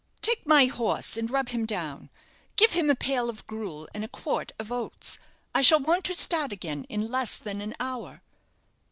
"Take my horse and rub him down. Give him a pail of gruel and a quart of oats. I shall want to start again in less than an hour."